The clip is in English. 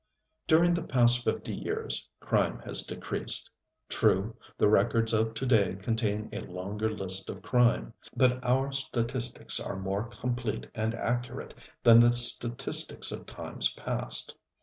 During the past fifty years crime has decreased. True, the records of to day contain a longer list of crime. But our statistics are more complete and accurate than the statistics of times past.